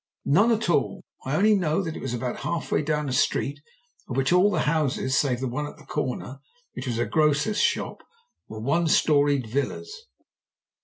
"None at all. I only know that it was about half way down a street of which all the houses, save the one at the corner which was a grocer's shop were one storied villas."